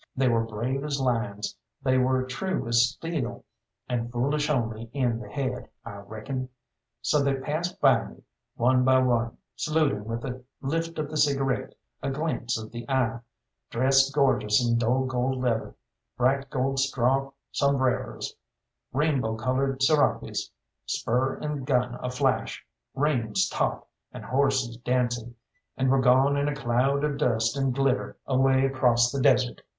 They were brave as lions, they were true as steel, and foolish only in the head, I reckon. So they passed by me one by one, saluting with a lift of the cigarette, a glance of the eye, dressed gorgeous in dull gold leather, bright gold straw sombreros, rainbow coloured serapes, spur and gun aflash, reins taut, and horses dancing, and were gone in a cloud of dust and glitter away across the desert.